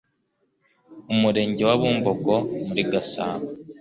umurenge wa bumbogo muri gasabo